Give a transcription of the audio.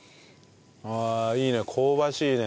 ああいいね香ばしいね。